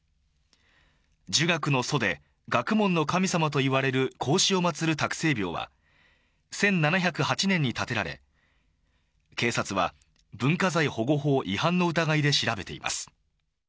儒学の祖で学問の神様といわれる孔子を祭る多久聖廟は１７０８年に建てられ警察は文化財保護法違反の疑いで調べています。